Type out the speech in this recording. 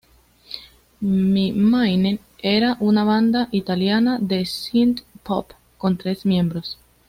Mi Mine era una banda italiana de Synth-Pop con tres miembros.